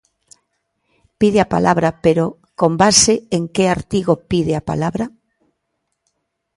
Pide a palabra, pero ¿con base en que artigo pide a palabra?